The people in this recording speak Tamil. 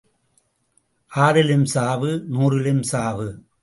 ஆறிலும் சாவு நூறிலும் சாவு.